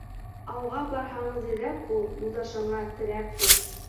Ауға барһаң, зирәк бул, Юлдашыңа терәк бул.